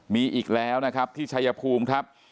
มีอีกแล้วนะครับที่ชายภูมิครับ